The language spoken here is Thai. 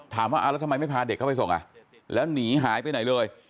ถามว่าแล้วทำไมไม่พาเด็กเข้าไปส่งอ่ะแล้วหนีหายไปไหนเลย